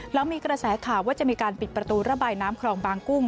หลังมีกระแสข่าวว่าจะมีการปิดประตูระบายน้ำคลองบางกุ้ง